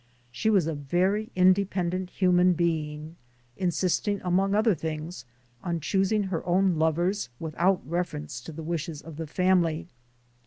She was a very independent human being, insisting among other things on choosing her own lovers without reference to the wishes of the family.